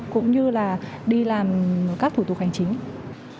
cũng như là đi làm các thủ tục hành chính